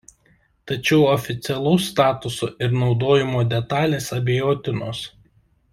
Tačiau oficialaus statuso ir naudojimo detalės abejotinos.